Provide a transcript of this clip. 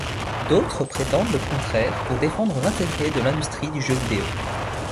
D'autres prétendent le contraire pour défendre l'intérêt de l'industrie du jeu vidéo.